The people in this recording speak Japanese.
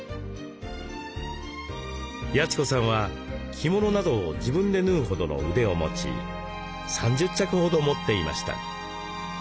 八千子さんは着物などを自分で縫うほどの腕を持ち３０着ほど持っていました。